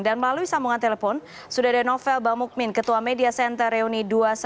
dan melalui sambungan telepon sudah ada novel bamukmin ketua media center reuni dua ratus dua belas